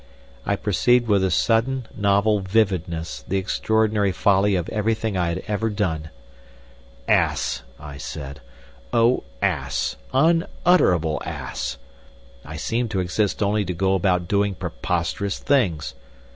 I perceived with a sudden novel vividness the extraordinary folly of everything I had ever done. "Ass!" I said; "oh, ass, unutterable ass.... I seem to exist only to go about doing preposterous things.